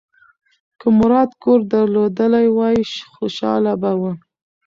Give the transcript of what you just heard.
که مراد کور درلودلی وای، خوشاله به و.